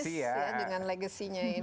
optimis ya dengan legacy nya ini